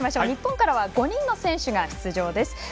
日本からは５人の選手が出場です。